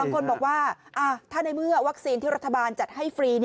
คนบอกว่าถ้าในเมื่อวัคซีนที่รัฐบาลจัดให้ฟรี